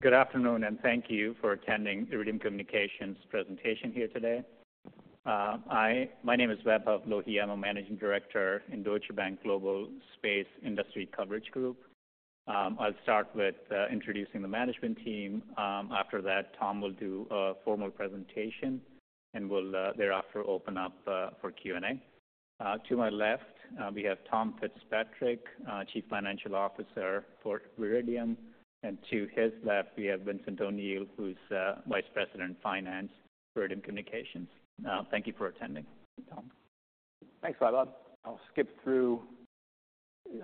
Good afternoon, and thank you for attending Iridium Communications presentation here today. I, my name is Vaibhav Lohia. I'm a Managing Director in Deutsche Bank Global Space Industry Coverage Group. I'll start with introducing the management team. After that, Tom will do a formal presentation, and we'll thereafter open up for Q&A. To my left, we have Tom Fitzpatrick, Chief Financial Officer for Iridium, and to his left, we have Vincent O'Neill, who's Vice President, Finance, Iridium Communications. Thank you for attending, Tom. Thanks, Vaibhav. I'll skip through.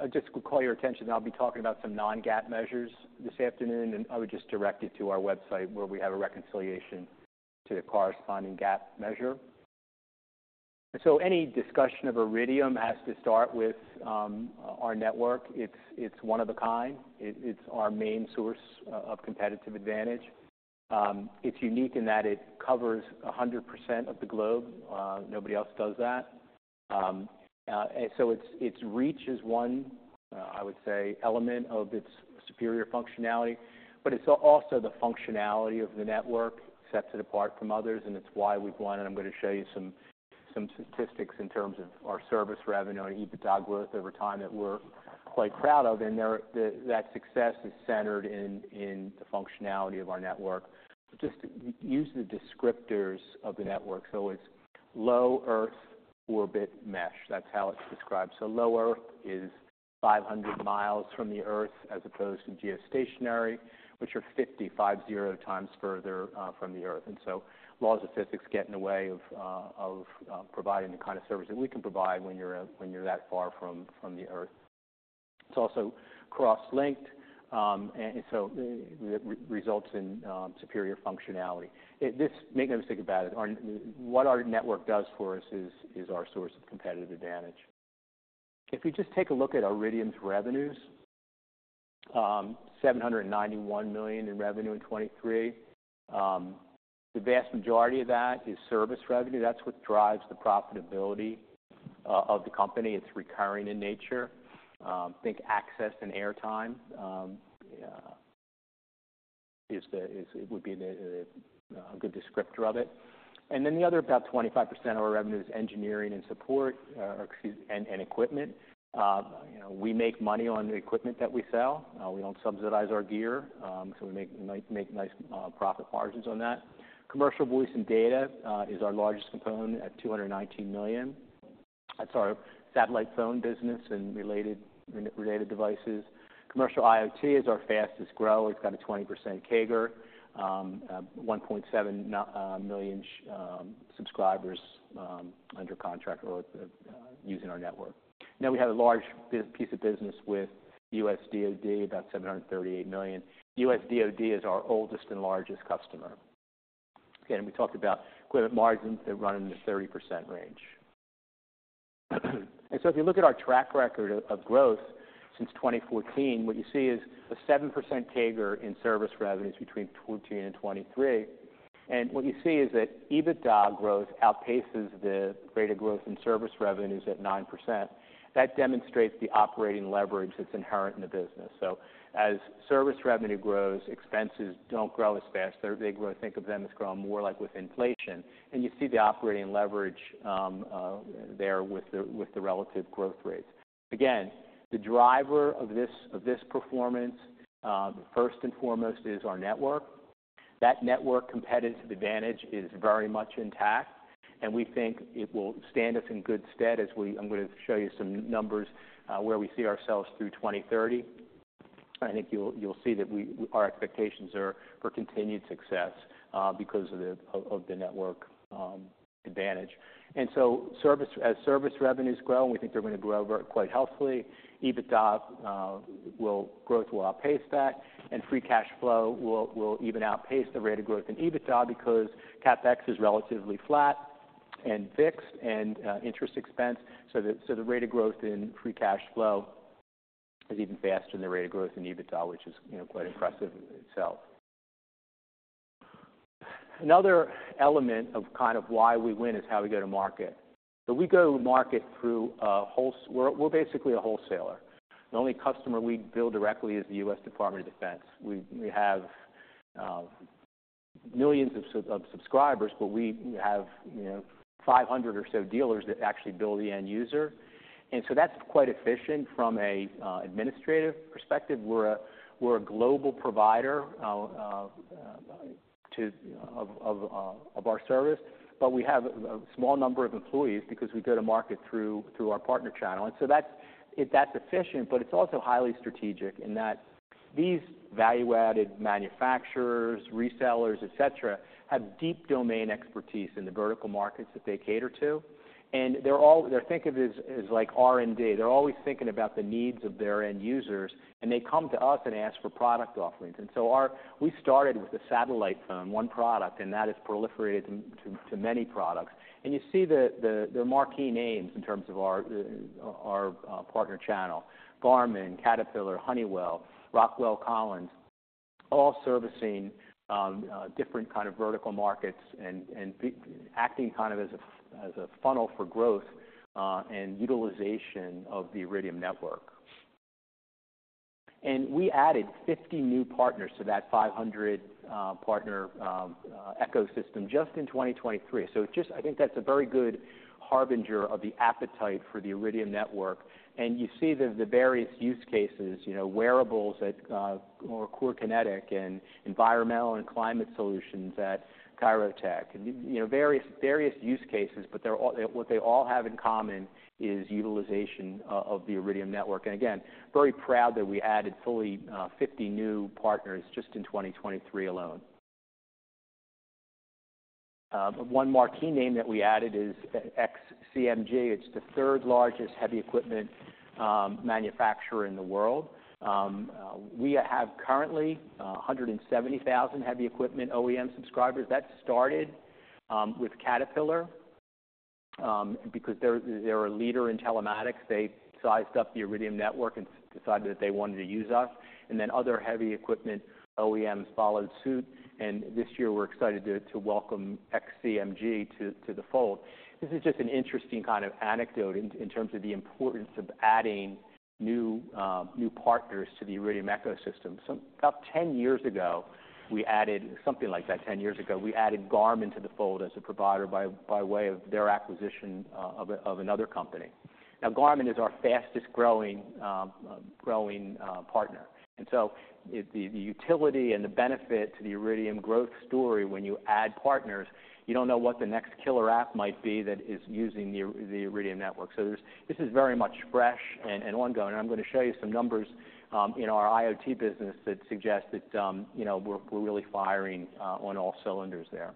I'll just call your attention, I'll be talking about some non-GAAP measures this afternoon, and I would just direct you to our website, where we have a reconciliation to the corresponding GAAP measure. So any discussion of Iridium has to start with our network. It's, it's one of a kind. It, it's our main source of competitive advantage. It's unique in that it covers 100% of the globe. Nobody else does that. And so its, its reach is one, I would say, element of its superior functionality, but it's also the functionality of the network sets it apart from others, and it's why we've won. I'm gonna show you some statistics in terms of our service revenue and EBITDA growth over time that we're quite proud of, and that success is centered in the functionality of our network. Just to use the descriptors of the network, so it's low Earth orbit mesh. That's how it's described. So low Earth is 500 miles from the Earth, as opposed to geostationary, which are 50 times further from the Earth. And so laws of physics get in the way of providing the kind of service that we can provide when you're that far from the Earth. It's also cross-linked, and so it results in superior functionality. It, this, make no mistake about it, what our network does for us is our source of competitive advantage. If you just take a look at Iridium's revenues, $791 million in revenue in 2023. The vast majority of that is service revenue. That's what drives the profitability of the company. It's recurring in nature. Think access and airtime would be a good descriptor of it. And then the other, about 25% of our revenue, is engineering and support, excuse me, and equipment. You know, we make money on the equipment that we sell. We don't subsidize our gear, so we make nice profit margins on that. Commercial voice and data is our largest component at $219 million. That's our satellite phone business and related devices. Commercial IoT is our fastest growth. It's got a 20% CAGR, 1.7 million subscribers under contract or using our network. Now, we have a large piece of business with U.S. DoD, about $738 million. U.S. DoD is our oldest and largest customer. Again, we talked about equipment margins that run in the 30% range. And so if you look at our track record of growth since 2014, what you see is a 7% CAGR in service revenues between 2020 and 2023. And what you see is that EBITDA growth outpaces the rate of growth in service revenues at 9%. That demonstrates the operating leverage that's inherent in the business. So as service revenue grows, expenses don't grow as fast. They're they grow, think of them as growing more like with inflation, and you see the operating leverage there with the relative growth rates. Again, the driver of this performance, first and foremost, is our network. That network competitive advantage is very much intact, and we think it will stand us in good stead as we. I'm gonna show you some numbers where we see ourselves through 2030. I think you'll see that our expectations are for continued success because of the network advantage. And so service, as service revenues grow, and we think they're gonna grow quite healthily, EBITDA growth will outpace that, and free cash flow will even outpace the rate of growth in EBITDA because CapEx is relatively flat and fixed and interest expense. So the rate of growth in free cash flow is even faster than the rate of growth in EBITDA, which is, you know, quite impressive in itself. Another element of kind of why we win is how we go to market. So we go to market through a wholesaler. We're basically a wholesaler. The only customer we bill directly is the US Department of Defense. We have millions of subscribers, but we have, you know, 500 or so dealers that actually bill the end user. And so that's quite efficient from a administrative perspective. We're a global provider of our service, but we have a small number of employees because we go to market through our partner channel. And so that's efficient, but it's also highly strategic in that these value-added manufacturers, resellers, et cetera, have deep domain expertise in the vertical markets that they cater to, and they're thought of as, as like R&D. They're always thinking about the needs of their end users, and they come to us and ask for product offerings. And so we started with a satellite phone, one product, and that has proliferated to many products. And you see the marquee names in terms of our partner channel, Garmin, Caterpillar, Honeywell, Rockwell Collins, all servicing different kind of vertical markets and acting kind of as a funnel for growth and utilization of the Iridium network. We added 50 new partners to that 500 partner ecosystem just in 2023. So just, I think that's a very good harbinger of the appetite for the Iridium network. And you see the various use cases, you know, wearables that or CoreKinect and environmental and climate solutions at Creotech, and, you know, various use cases. But they're all what they all have in common is utilization of the Iridium network. And again, very proud that we added fully 50 new partners just in 2023 alone. But one marquee name that we added is XCMG. It's the third-largest heavy equipment manufacturer in the world. We have currently 170,000 heavy equipment OEM subscribers. That started with Caterpillar because they're a leader in telematics. They sized up the Iridium network and decided that they wanted to use us, and then other heavy equipment OEMs followed suit, and this year we're excited to welcome XCMG to the fold. This is just an interesting kind of anecdote in terms of the importance of adding new partners to the Iridium ecosystem. So about 10 years ago, we added something like that, 10 years ago, we added Garmin to the fold as a provider by way of their acquisition of another company. Now, Garmin is our fastest growing partner. And so the utility and the benefit to the Iridium growth story, when you add partners, you don't know what the next killer app might be that is using the Iridium network. So this is very much fresh and ongoing. I'm gonna show you some numbers in our IoT business that suggest that, you know, we're, we're really firing on all cylinders there.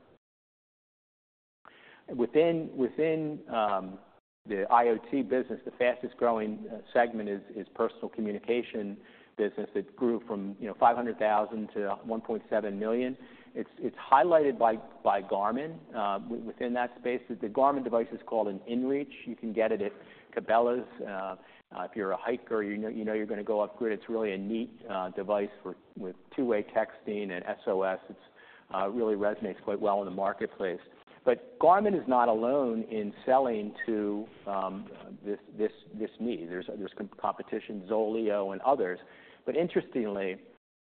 Within the IoT business, the fastest growing segment is personal communication business, that grew from 500,000 to 1.7 million. It's highlighted by Garmin. Within that space, the Garmin device is called an inReach. You can get it at Cabela's. If you're a hiker, you know you're gonna go off grid, it's really a neat device with two-way texting and SOS. It really resonates quite well in the marketplace. But Garmin is not alone in selling to this need. There's competition, Zoleo and others. Interestingly,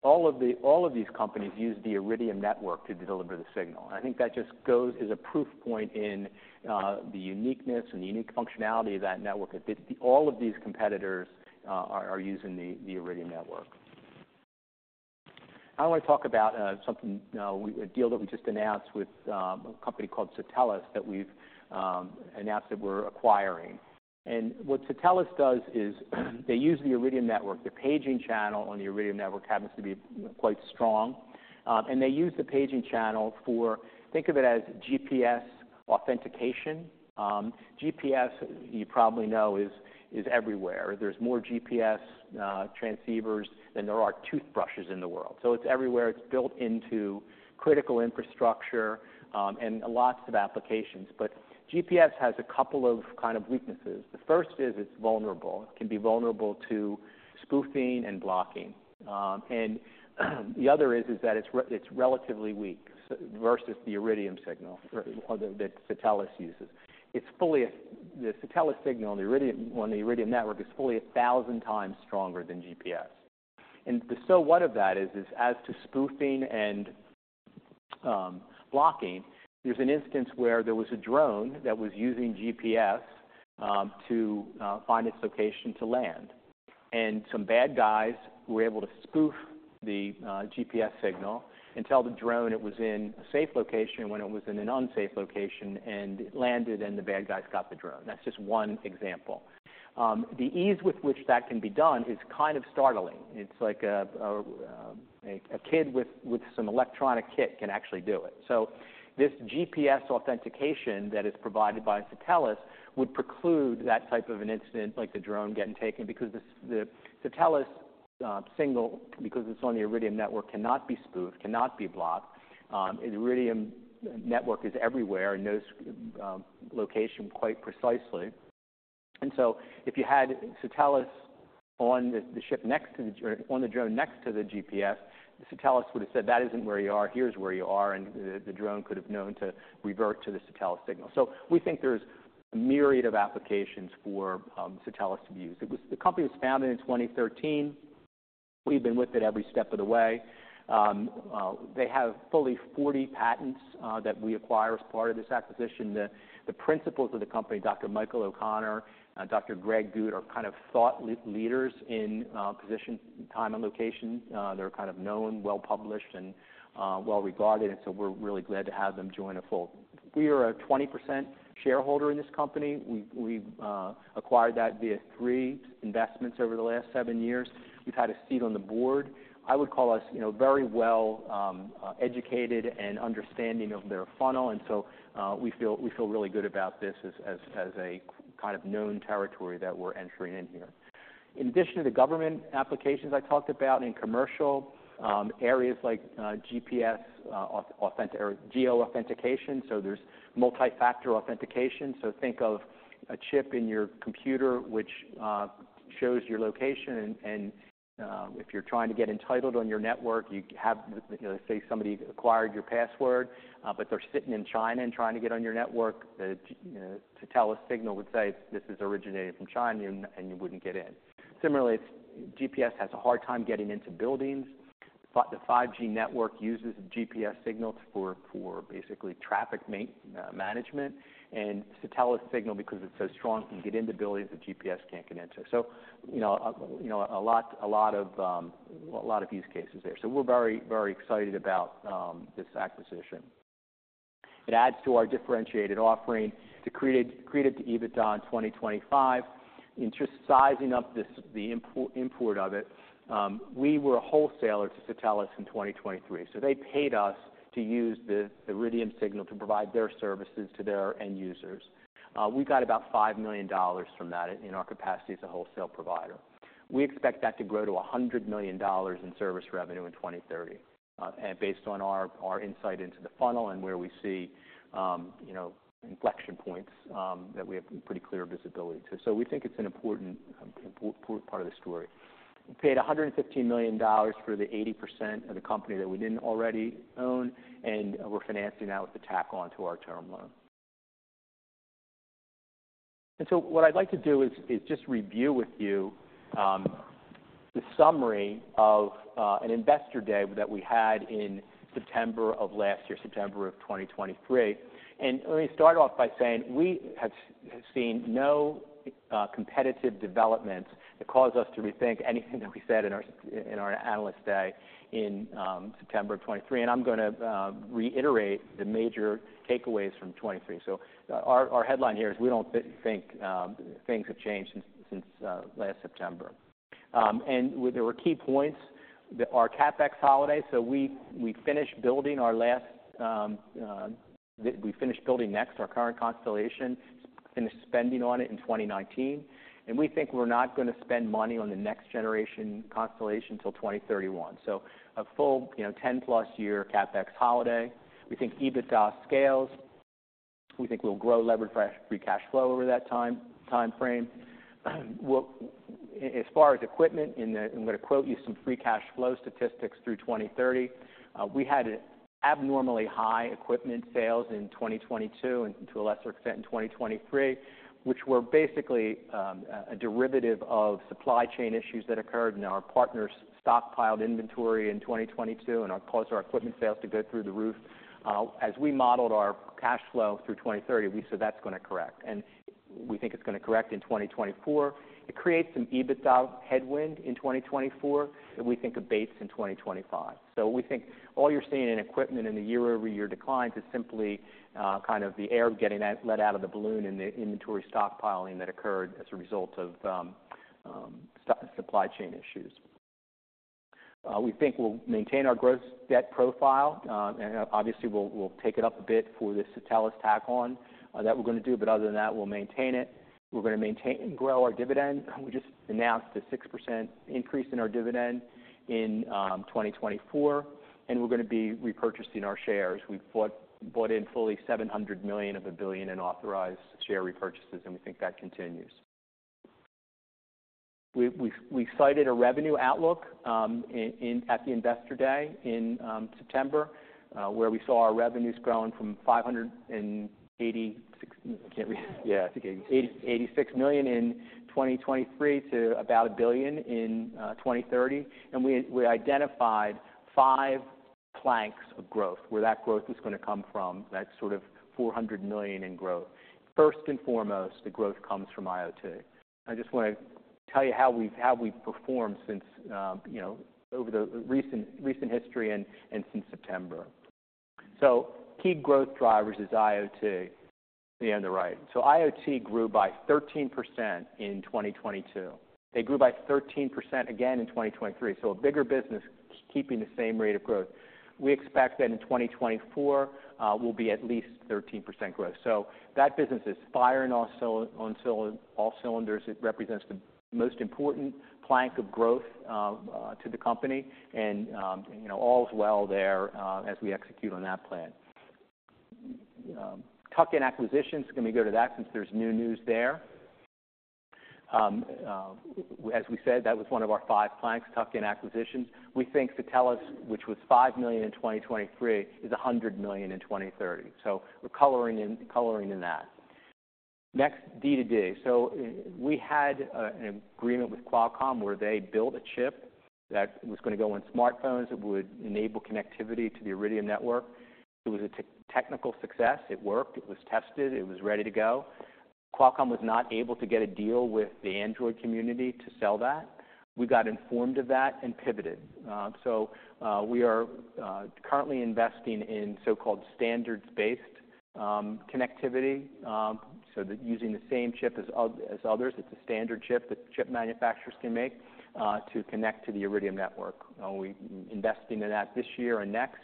all of these companies use the Iridium network to deliver the signal. I think that just goes as a proof point in the uniqueness and the unique functionality of that network, that all of these competitors are using the Iridium network. I want to talk about something, a deal that we just announced with a company called Satelles, that we've announced that we're acquiring. What Satelles does is, they use the Iridium network. The paging channel on the Iridium network happens to be quite strong, and they use the paging channel for, think of it as GPS authentication. GPS, you probably know, is everywhere. There's more GPS transceivers than there are toothbrushes in the world. It's everywhere. It's built into critical infrastructure and lots of applications. But GPS has a couple of kind of weaknesses. The first is, it's vulnerable. It can be vulnerable to spoofing and blocking. And, the other is that it's relatively weak versus the Iridium signal or that Satelles uses. The Satelles signal on the Iridium, on the Iridium network, is fully a thousand times stronger than GPS. And the "so what" of that is as to spoofing and blocking, there's an instance where there was a drone that was using GPS to find its location to land, and some bad guys were able to spoof the GPS signal and tell the drone it was in a safe location when it was in an unsafe location, and it landed, and the bad guys got the drone. That's just one example. The ease with which that can be done is kind of startling. It's like a kid with some electronic kit can actually do it. So this GPS authentication that is provided by Satelles would preclude that type of an incident, like the drone getting taken, because the Satelles signal, because it's on the Iridium network, cannot be spoofed, cannot be blocked. The Iridium network is everywhere and knows location quite precisely. And so if you had Satelles on the ship next to the drone next to the GPS, the Satelles would have said, "That isn't where you are. Here's where you are," and the drone could have known to revert to the Satelles signal. So we think there's a myriad of applications for Satelles to use. It was the company was founded in 2013. We've been with it every step of the way. They have fully 40 patents that we acquire as part of this acquisition. The principals of the company, Dr. Michael O'Connor and Dr. Greg Gutt, are kind of thought leaders in position, time, and location. They're kind of known, well-published, and well-regarded, and so we're really glad to have them join in full. We are a 20% shareholder in this company. We've acquired that via 3 investments over the last 7 years. We've had a seat on the board. I would call us, you know, very well educated and understanding of their funnel, and so we feel really good about this as a kind of known territory that we're entering in here. In addition to the government applications I talked about in commercial areas like GPS authentication or geo-authentication, so there's multifactor authentication. So think of a chip in your computer which shows your location, and if you're trying to get entitled on your network, you have... You know, say somebody acquired your password, but they're sitting in China and trying to get on your network, the Satelles signal would say, "This is originating from China," and you wouldn't get in. Similarly, GPS has a hard time getting into buildings. The 5G network uses GPS signals for basically traffic management, and Satelles signal, because it's so strong, can get into buildings that GPS can't get into. So, you know, a lot of use cases there. So we're very, very excited about this acquisition. It adds to our differentiated offering to create the EBITDA in 2025. In just sizing up this, the import of it, we were a wholesaler to Satelles in 2023, so they paid us to use the Iridium signal to provide their services to their end users. We got about $5 million from that in our capacity as a wholesale provider. We expect that to grow to $100 million in service revenue in 2030, and based on our insight into the funnel and where we see, you know, inflection points, that we have pretty clear visibility to. So we think it's an important part of the story. We paid $115 million for the 80% of the company that we didn't already own, and we're financing that with the tack on to our term loan. So what I'd like to do is just review with you the summary of an investor day that we had in September of last year, September 2023. Let me start off by saying we have seen no competitive developments that cause us to rethink anything that we said in our analyst day in September 2023. I'm gonna reiterate the major takeaways from 2023. So our headline here is we don't think things have changed since last September. And there were key points. Our CapEx holiday, so we finished building NEXT, our current constellation, finished spending on it in 2019, and we think we're not gonna spend money on the next generation constellation till 2031. So a full, you know, 10+ year CapEx holiday. We think EBITDA scales. We think we'll grow levered fresh free cash flow over that time frame. I'm gonna quote you some free cash flow statistics through 2030. We had abnormally high equipment sales in 2022, and to a lesser extent in 2023, which were basically a derivative of supply chain issues that occurred, and our partners stockpiled inventory in 2022, caused our equipment sales to go through the roof. As we modeled our cash flow through 2030, we said, "That's gonna correct." We think it's gonna correct in 2024. It creates some EBITDA headwind in 2024 that we think abates in 2025. We think all you're seeing in equipment in the year-over-year declines is simply kind of the air getting out, let out of the balloon and the inventory stockpiling that occurred as a result of supply chain issues. We think we'll maintain our gross debt profile, and obviously, we'll take it up a bit for this Satelles tack-on that we're gonna do, but other than that, we'll maintain it. We're gonna maintain and grow our dividend. We just announced a 6% increase in our dividend in 2024, and we're gonna be repurchasing our shares. We've bought in fully $700 million of $1 billion in authorized share repurchases, and we think that continues. We've cited a revenue outlook in at the Investor Day in September, where we saw our revenues growing from $586 million in 2023 to about $1 billion in 2030. We identified five planks of growth, where that growth is gonna come from, that sort of $400 million in growth. First and foremost, the growth comes from IoT. I just wanna tell you how we've performed since you know over the recent history and since September. So key growth drivers is IoT, the on the right. So IoT grew by 13% in 2022. They grew by 13% again in 2023, so a bigger business keeping the same rate of growth. We expect that in 2024 will be at least 13% growth. So that business is firing on all cylinders. It represents the most important plank of growth to the company, and you know, all is well there as we execute on that plan. Tuck-in acquisitions, let me go to that since there's new news there. As we said, that was one of our 5 planks, tuck-in acquisitions. We think Satelles, which was $5 million in 2023, is a $100 million in 2030, so we're coloring in, coloring in that. Next, D2D. So we had an agreement with Qualcomm, where they built a chip that was gonna go on smartphones, it would enable connectivity to the Iridium Network. It was a technical success. It worked, it was tested, it was ready to go. Qualcomm was not able to get a deal with the Android community to sell that. We got informed of that and pivoted. So we are currently investing in so-called standards-based connectivity, so that using the same chip as others, it's a standard chip that chip manufacturers can make to connect to the Iridium network. We're investing in that this year and next,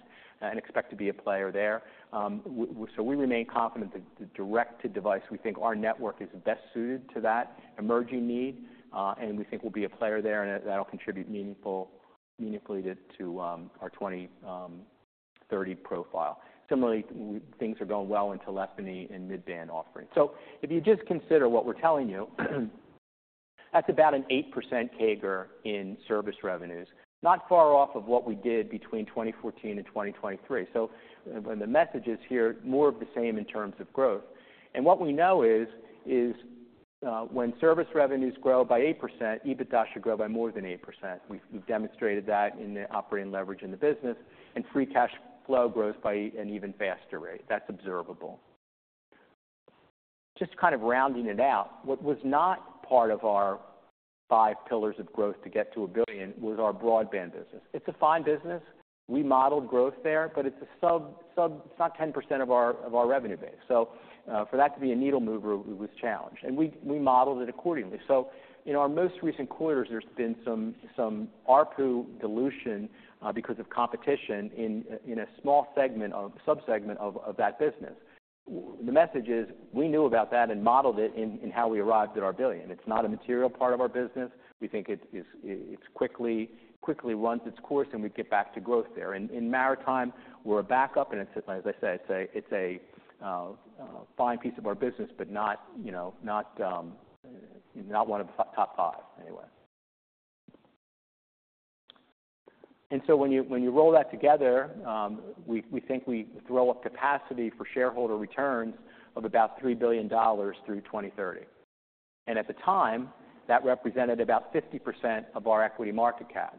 and expect to be a player there. So we remain confident that the direct-to-device, we think our network is best suited to that emerging need, and we think we'll be a player there, and that'll contribute meaningfully to our 2030 profile. Similarly, things are going well in telephony and mid-band offerings. So if you just consider what we're telling you, that's about an 8% CAGR in service revenues, not far off of what we did between 2014 and 2023. So when the message is here, more of the same in terms of growth. And what we know is, when service revenues grow by 8%, EBITDA should grow by more than 8%. We've demonstrated that in the operating leverage in the business, and free cash flow grows by an even faster rate. That's observable. Just kind of rounding it out, what was not part of our five pillars of growth to get to $1 billion, was our broadband business. It's a fine business. We modeled growth there, but it's a sub-sub—it's not 10% of our revenue base. So, for that to be a needle mover, it was challenged, and we modeled it accordingly. So in our most recent quarters, there's been some ARPU dilution because of competition in a small sub-segment of that business. The message is, we knew about that and modeled it in how we arrived at our $1 billion. It's not a material part of our business. We think it quickly runs its course, and we get back to growth there. In maritime, we're a backup, and as I said, it's a fine piece of our business, but not, you know, not one of the top five anyway. And so when you roll that together, we think we throw up capacity for shareholder returns of about $3 billion through 2030. And at the time, that represented about 50% of our equity market cap.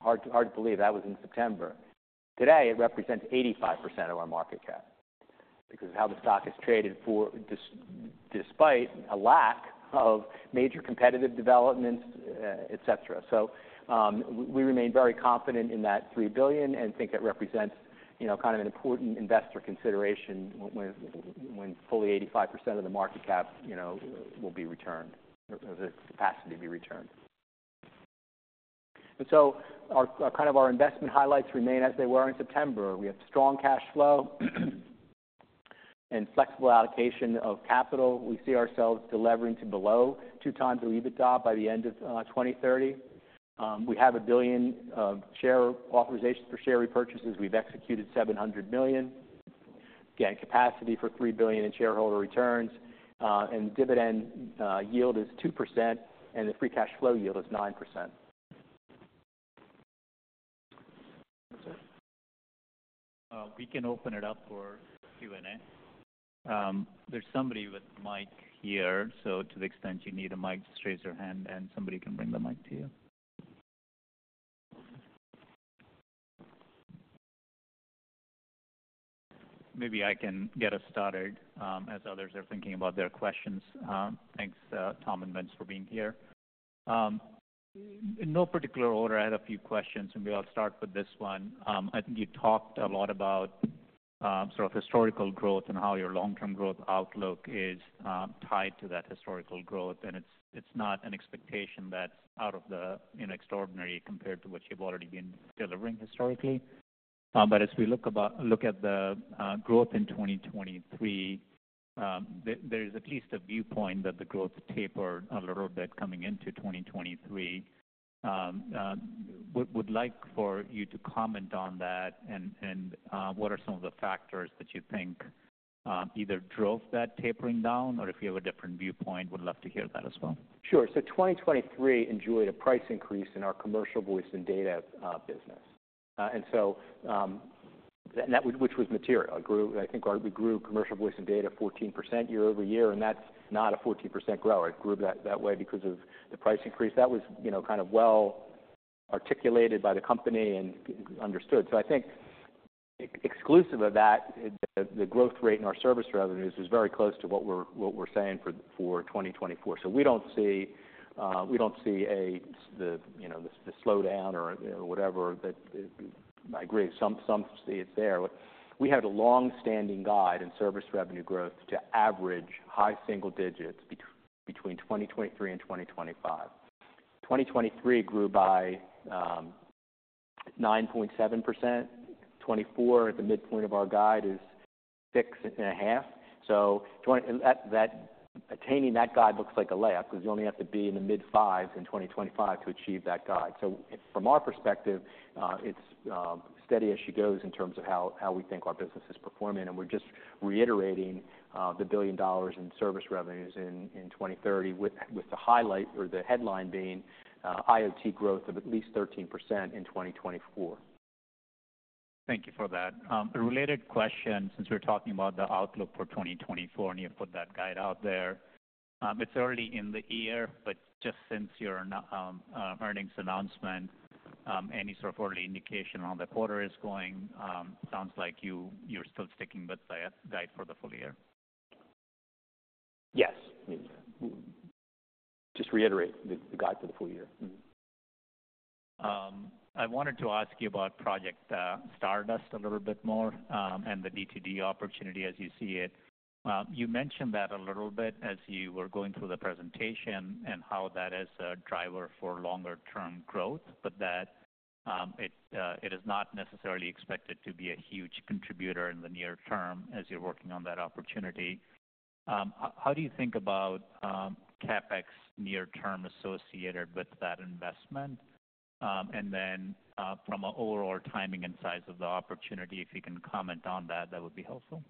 Hard to believe that was in September. Today, it represents 85% of our market cap because of how the stock has traded for, despite a lack of major competitive developments, et cetera. So, we remain very confident in that $3 billion and think it represents, you know, kind of an important investor consideration when fully 85% of the market cap, you know, will be returned, or the capacity to be returned. Our kind of our investment highlights remain as they were in September. We have strong cash flow, and flexible allocation of capital. We see ourselves delevering to below 2x EBITDA by the end of 2030. We have $1 billion of share authorizations for share repurchases. We've executed $700 million, gaining capacity for $3 billion in shareholder returns, and dividend yield is 2%, and the free cash flow yield is 9%. We can open it up for Q&A. There's somebody with mic here, so to the extent you need a mic, just raise your hand and somebody can bring the mic to you. Maybe I can get us started, as others are thinking about their questions. Thanks, Tom and Vince, for being here. In no particular order, I had a few questions, and maybe I'll start with this one. I think you talked a lot about, sort of historical growth and how your long-term growth outlook is, tied to that historical growth, and it's, it's not an expectation that's out of the, you know, extraordinary compared to what you've already been delivering historically. But as we look at the growth in 2023, there is at least a viewpoint that the growth tapered a little bit coming into 2023. Would like for you to comment on that, and what are some of the factors that you think either drove that tapering down, or if you have a different viewpoint, would love to hear that as well. Sure. So 2023 enjoyed a price increase in our commercial voice and data business. And that, which was material. It grew, I think we grew commercial voice and data 14% year-over-year, and that's not a 14% growth. It grew that way because of the price increase. That was, you know, kind of well articulated by the company and understood. So I think, exclusive of that, the growth rate in our service revenues is very close to what we're saying for 2024. So we don't see, we don't see a, the, you know, the slowdown or whatever that... I agree, some see it there. We had a long-standing guide in service revenue growth to average high single digits between 2023 and 2025. 2023 grew by 9.7%. 2024, at the midpoint of our guide, is 6.5. So attaining that guide looks like a layup, because you only have to be in the mid-5s in 2025 to achieve that guide. So from our perspective, it's steady as she goes in terms of how we think our business is performing, and we're just reiterating $1 billion in service revenues in 2030, with the highlight or the headline being IoT growth of at least 13% in 2024. Thank you for that. A related question, since we're talking about the outlook for 2024, and you put that guide out there. It's early in the year, but just since your earnings announcement, any sort of early indication on the quarter is going, sounds like you, you're still sticking with the guide for the full year? Yes. Just reiterate the guide for the full year. Mm-hmm. I wanted to ask you about Project Stardust a little bit more, and the D2D opportunity as you see it. You mentioned that a little bit as you were going through the presentation and how that is a driver for longer-term growth, but that it is not necessarily expected to be a huge contributor in the near term as you're working on that opportunity. How do you think about CapEx near term associated with that investment? And then, from an overall timing and size of the opportunity, if you can comment on that, that would be helpful.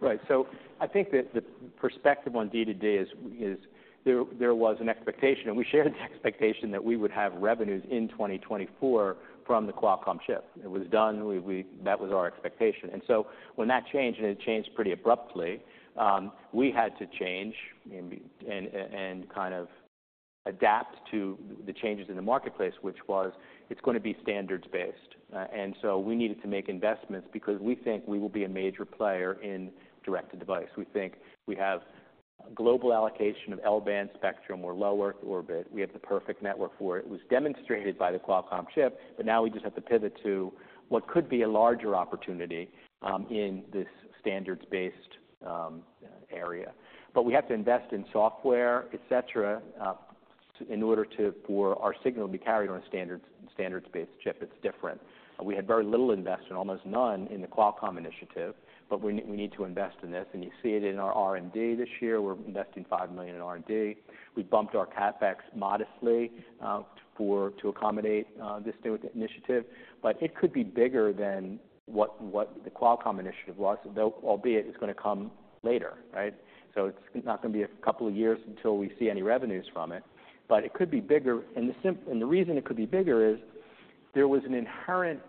Right. So I think that the perspective on D2D is, there was an expectation, and we shared the expectation that we would have revenues in 2024 from the Qualcomm chip. It was done. That was our expectation. And so when that changed, and it changed pretty abruptly, we had to change and adapt to the changes in the marketplace, which was, it's gonna be standards-based. And so we needed to make investments because we think we will be a major player in direct-to-device. We think we have global allocation of L-band spectrum or low-earth orbit. We have the perfect network for it. It was demonstrated by the Qualcomm chip, but now we just have to pivot to what could be a larger opportunity, in this standards-based area. But we have to invest in software, et cetera, in order to for our signal to be carried on a standards-based chip. It's different. And we had very little investment, almost none, in the Qualcomm initiative, but we need, we need to invest in this, and you see it in our R&D this year. We're investing $5 million in R&D. We're bumping our CapEx modestly for to accommodate this new initiative. But it could be bigger than what the Qualcomm initiative was, though, albeit it's gonna come later, right? So it's not gonna be a couple of years until we see any revenues from it. But it could be bigger, and the reason it could be bigger is there was an inherent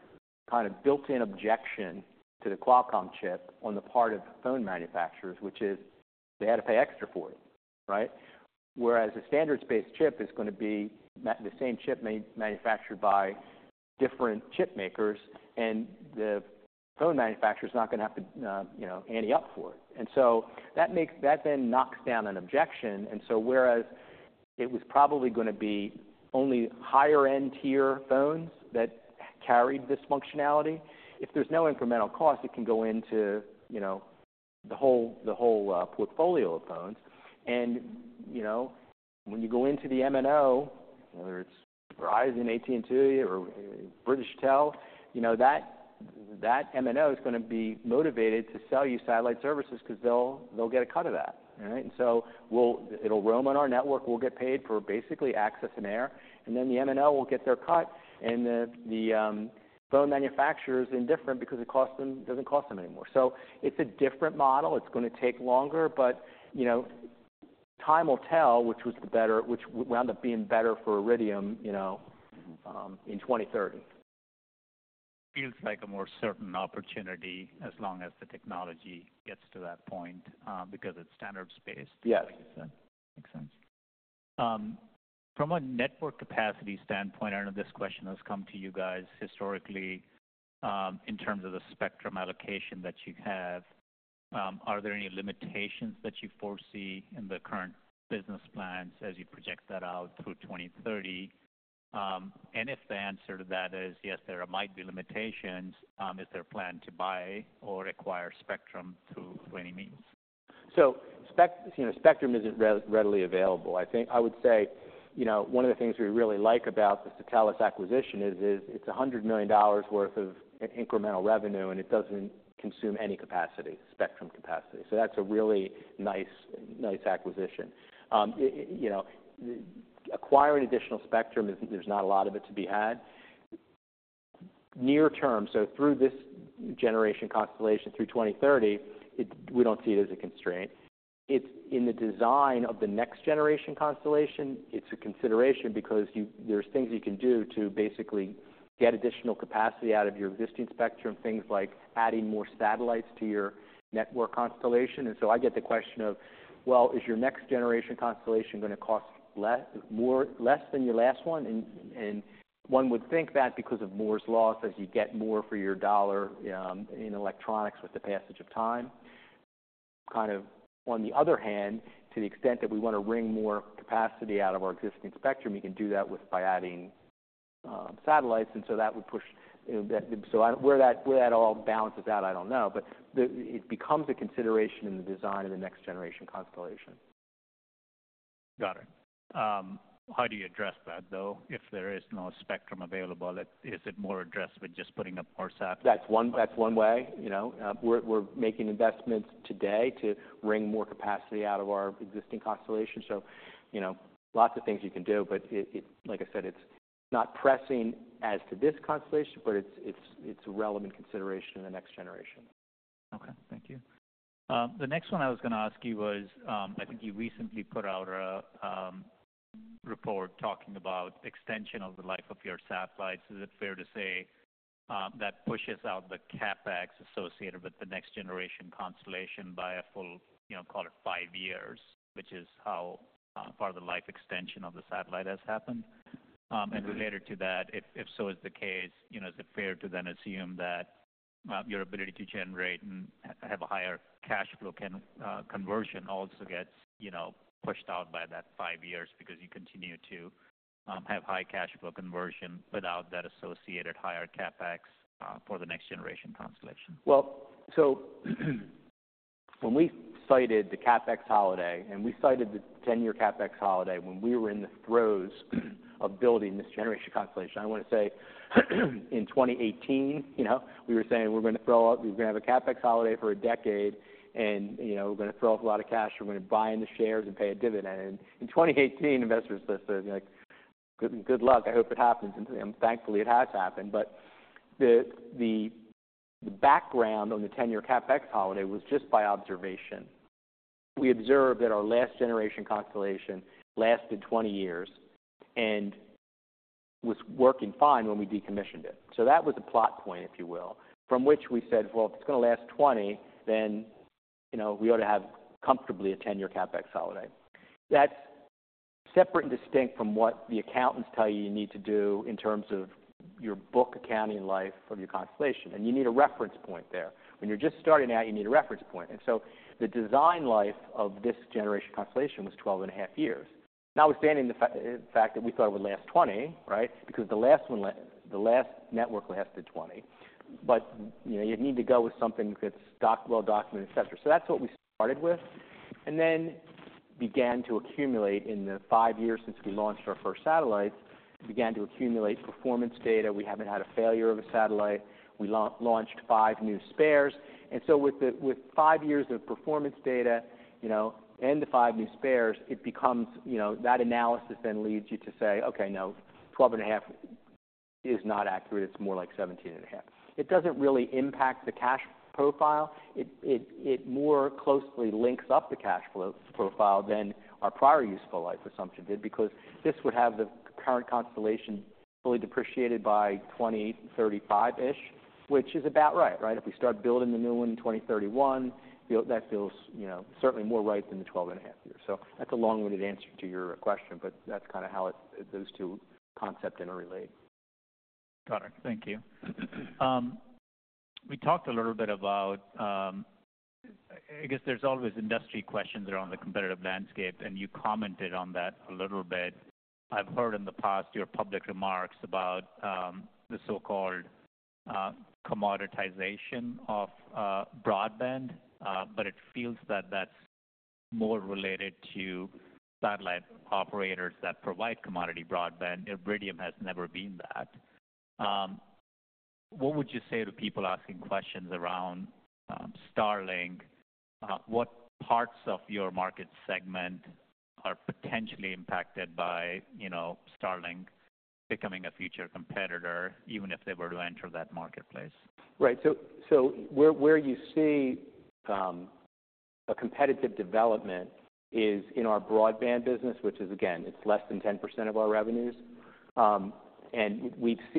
kind of built-in objection to the Qualcomm chip on the part of phone manufacturers, which is they had to pay extra for it, right? Whereas a standards-based chip is gonna be the same chip manufactured by different chip makers, and the phone manufacturer is not gonna have to, you know, ante up for it. And so that makes that then knocks down an objection. And so whereas it was probably gonna be only higher-end tier phones that carried this functionality, if there's no incremental cost, it can go into, you know, the whole portfolio of phones. You know, when you go into the MNO, whether it's Verizon, AT&T, or British Telecom, you know, that MNO is gonna be motivated to sell you satellite services because they'll get a cut of that. All right? And so it'll roam on our network, we'll get paid for basically access and air, and then the MNO will get their cut, and the phone manufacturer's indifferent because it doesn't cost them anymore. So it's a different model. It's gonna take longer, but, you know, time will tell which was the better, which would wind up being better for Iridium, you know, in 2030. Feels like a more certain opportunity as long as the technology gets to that point, because it's standards-based. Yes. Like you said. Makes sense. From a network capacity standpoint, I know this question has come to you guys historically, in terms of the spectrum allocation that you have, are there any limitations that you foresee in the current business plans as you project that out through 2030? And if the answer to that is yes, there might be limitations, is there a plan to buy or acquire spectrum through any means? So spectrum isn't readily available. I think I would say, you know, one of the things we really like about the Satelles acquisition is it's $100 million worth of incremental revenue, and it doesn't consume any capacity, spectrum capacity. So that's a really nice acquisition. You know, acquiring additional spectrum, there's not a lot of it to be had. Near term, so through this generation constellation through 2030, we don't see it as a constraint. It's in the design of the next generation constellation, it's a consideration because you there's things you can do to basically get additional capacity out of your existing spectrum, things like adding more satellites to your network constellation. And so I get the question of, Well, is your next generation constellation gonna cost less, more, less than your last one? One would think that because of Moore's Law, as you get more for your dollar in electronics with the passage of time. Kind of on the other hand, to the extent that we want to wring more capacity out of our existing spectrum, you can do that with by adding satellites, and so that would push, you know, that... So, where that all balances out, I don't know. But it becomes a consideration in the design of the next generation constellation. Got it. How do you address that, though, if there is no spectrum available, is it more addressed with just putting up more sats? That's one, that's one way. You know, we're making investments today to wring more capacity out of our existing constellation. So, you know, lots of things you can do, but it, like I said, it's not pressing as to this constellation, but it's a relevant consideration in the next generation. Okay, thank you. The next one I was gonna ask you was, I think you recently put out a report talking about extension of the life of your satellites. Is it fair to say that pushes out the CapEx associated with the next generation constellation by a full, you know, call it five years, which is how part of the life extension of the satellite has happened? Mm-hmm. And related to that, if so is the case, you know, is it fair to then assume that your ability to generate and have a higher cash flow conversion also gets, you know, pushed out by that 5 years because you continue to have high cash flow conversion without that associated higher CapEx for the next generation constellation? Well, so, when we cited the CapEx holiday, and we cited the ten-year CapEx holiday when we were in the throes of building this generation constellation, I want to say, in 2018, you know, we were saying, "We're gonna throw out-- We're gonna have a CapEx holiday for a decade, and, you know, we're gonna throw up a lot of cash. We're gonna buy in the shares and pay a dividend." In 2018, investors listened, like, "Good, good luck. I hope it happens." And thankfully, it has happened. But the, the, the background on the ten-year CapEx holiday was just by observation. We observed that our last generation constellation lasted 20 years, and was working fine when we decommissioned it. So that was a plot point, if you will, from which we said, "Well, if it's gonna last 20, then, you know, we ought to have comfortably a 10-year CapEx holiday." That's separate and distinct from what the accountants tell you you need to do in terms of your book accounting life of your constellation, and you need a reference point there. When you're just starting out, you need a reference point. And so the design life of this generation constellation was 12.5 years. Notwithstanding the fact that we thought it would last 20, right? Because the last network lasted 20. But, you know, you'd need to go with something that's well documented, et cetera. So that's what we started with, and then began to accumulate, in the 5 years since we launched our first satellite, began to accumulate performance data. We haven't had a failure of a satellite. We launched five new spares. So with the five years of performance data, you know, and the five new spares, it becomes, you know, that analysis then leads you to say, "Okay, no, 12.5 is not accurate. It's more like 17.5." It doesn't really impact the cash profile. It more closely links up the cash flow profile than our prior useful life assumption did, because this would have the current constellation fully depreciated by 2035-ish, which is about right, right? If we start building the new one in 2031, build that feels, you know, certainly more right than the 12.5 years. So that's a long-winded answer to your question, but that's kind of how it, those two concepts interrelate. Got it. Thank you. We talked a little bit about, I guess there's always industry questions around the competitive landscape, and you commented on that a little bit. I've heard in the past your public remarks about, the so-called, commoditization of, broadband, but it feels that that's more related to satellite operators that provide commodity broadband. Iridium has never been that. What would you say to people asking questions around, Starlink? What parts of your market segment are potentially impacted by, you know, Starlink becoming a future competitor, even if they were to enter that marketplace? Right. So, where you see a competitive development is in our broadband business, which is, again, it's less than 10% of our revenues. And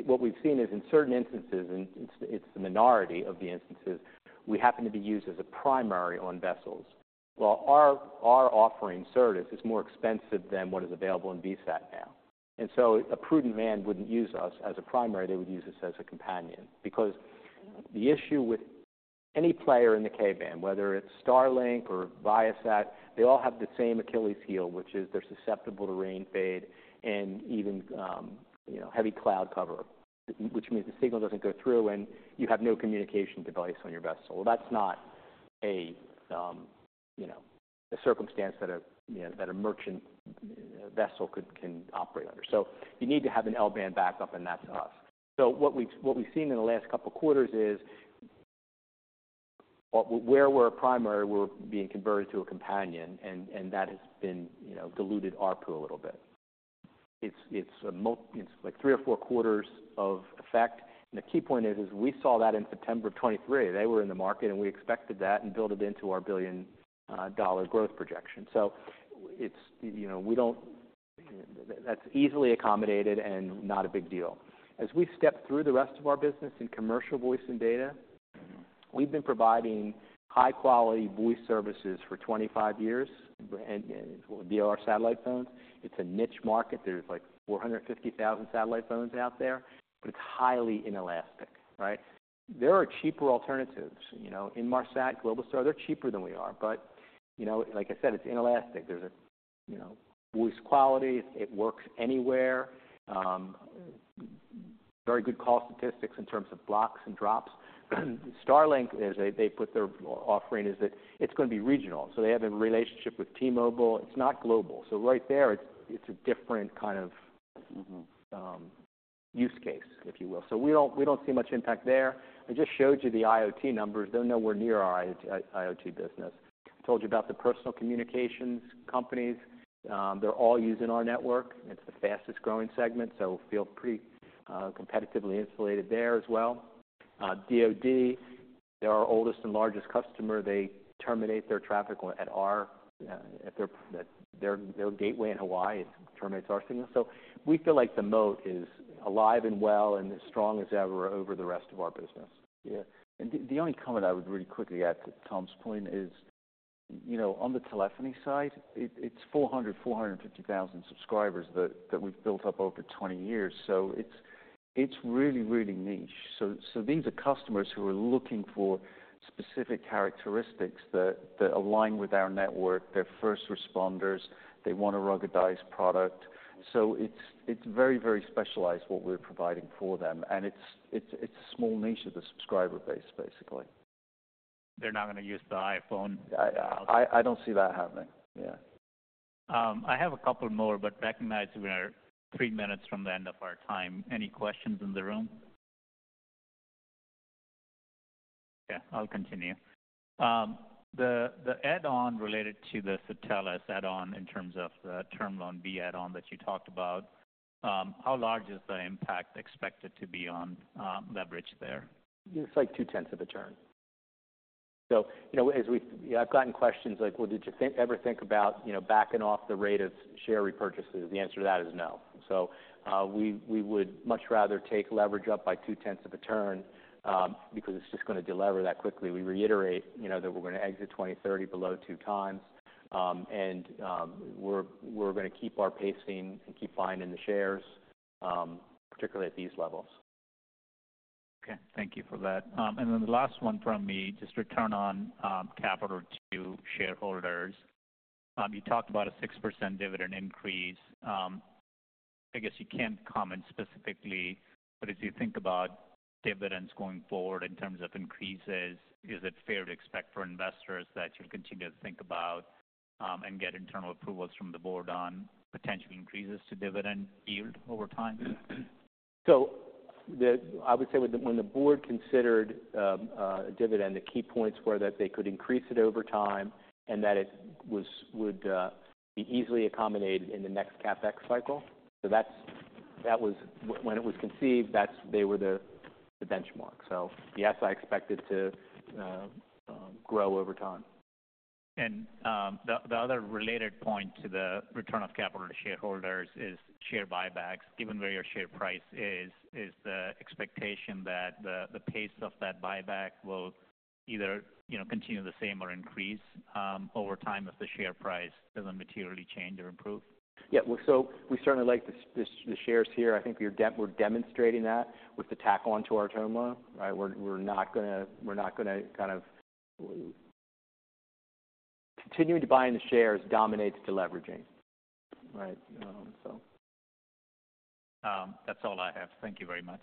what we've seen is in certain instances, and it's the minority of the instances, we happen to be used as a primary on vessels. Well, our offering service is more expensive than what is available in VSAT now. And so a prudent man wouldn't use us as a primary. They would use us as a companion. Because the issue with any player in the K-band, whether it's Starlink or Viasat, they all have the same Achilles heel, which is they're susceptible to rain fade and even, you know, heavy cloud cover, which means the signal doesn't go through and you have no communication device on your vessel. That's not a, you know, a circumstance that a, you know, that a merchant vessel can operate under. So you need to have an L-band backup, and that's us. So what we've seen in the last couple of quarters is where we're a primary, we're being converted to a companion, and that has been, you know, diluted our pool a little bit. It's like three or four quarters of effect. And the key point is we saw that in September of 2023. They were in the market, and we expected that and built it into our $1 billion growth projection. So it's, you know, we don't - That's easily accommodated and not a big deal. As we step through the rest of our business in commercial voice and data, we've been providing high-quality voice services for 25 years, and via our satellite phones. It's a niche market. There's like 450,000 satellite phones out there, but it's highly inelastic, right? There are cheaper alternatives, you know, Inmarsat, Globalstar, they're cheaper than we are, but, you know, like I said, it's inelastic. There's a, you know, voice quality. It works anywhere. Very good call statistics in terms of blocks and drops. Starlink, as they, they put their offering, is that it's going to be regional. So they have a relationship with T-Mobile. It's not global. So right there, it's, it's a different kind of- Mm-hmm... use case, if you will. So we don't see much impact there. I just showed you the IoT numbers. They're nowhere near our IoT business. I told you about the personal communications companies. They're all using our network. It's the fastest-growing segment, so we feel pretty, competitively insulated there as well. DoD, they're our oldest and largest customer. They terminate their traffic at their gateway in Hawaii. It terminates our signal. So we feel like the moat is alive and well and as strong as ever over the rest of our business. Yeah. And the only comment I would really quickly add to Tom's point is, you know, on the telephony side, it's 450,000 subscribers that we've built up over 20 years. So it's really, really niche. So these are customers who are looking for specific characteristics that align with our network. They're first responders. They want a ruggedized product. So it's a small niche of the subscriber base, basically. They're not gonna use the iPhone? I don't see that happening. Yeah. I have a couple more, but recognizing we are 3 minutes from the end of our time. Any questions in the room? Yeah, I'll continue. The add-on related to the Satelles add-on, in terms of the Term Loan B add-on that you talked about, how large is the impact expected to be on leverage there? It's like 0.2 of a turn. So, you know, as I've gotten questions like: Well, did you think, ever think about, you know, backing off the rate of share repurchases? The answer to that is no. So, we would much rather take leverage up by 0.2 of a turn, because it's just gonna delever that quickly. We reiterate, you know, that we're gonna exit 2030 below 2x. And, we're gonna keep our pacing and keep buying in the shares, particularly at these levels. Okay, thank you for that. And then the last one from me, just return on capital to shareholders. You talked about a 6% dividend increase. I guess you can't comment specifically, but as you think about dividends going forward in terms of increases, is it fair to expect for investors that you'll continue to think about, and get internal approvals from the board on potential increases to dividend yield over time? So, I would say, when the board considered dividend, the key points were that they could increase it over time and that it would be easily accommodated in the next CapEx cycle. So that's, that was. When it was conceived, that's, they were the benchmark. So yes, I expect it to grow over time. The other related point to the return of capital to shareholders is share buybacks. Given where your share price is, is the expectation that the pace of that buyback will either, you know, continue the same or increase over time, if the share price doesn't materially change or improve? Yeah, well, so we certainly like the shares here. I think we're demonstrating that with the tack on to our term loan, right? We're not gonna kind of... Continuing to buy in the shares dominates deleveraging, right? So. That's all I have. Thank you very much.